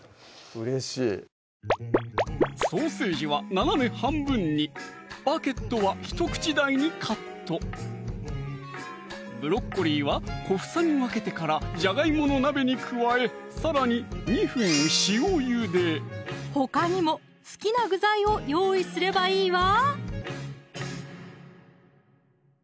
うれしいソーセージは斜め半分にバゲットは一口大にカットブロッコリーは小房に分けてからじゃがいもの鍋に加えさらに２分塩ゆでほかにも好きな具材を用意すればいいわ